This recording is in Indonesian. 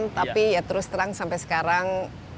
tapi ya terus terang sampai sekarang